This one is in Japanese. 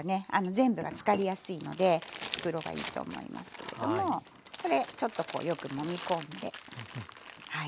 全部が漬かりやすいので袋がいいと思いますけれどもこれちょっとこうよくもみこんではい。